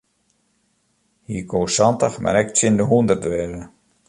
Hy koe santich mar ek tsjin de hûndert wêze.